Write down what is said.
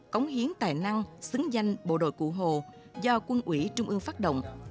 cống hiến tài năng xứng danh bộ đội cụ hồ do quân ủy trung ương phát động